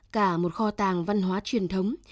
cả một kho tàng văn hóa truyền thống